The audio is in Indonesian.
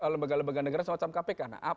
lembaga lembaga negara semacam kpk